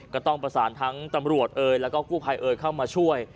ก็ต้องประสานทั้งตำรวจเอ่ยแล้วก็กู้ภัยเอ่ยเข้ามาช่วย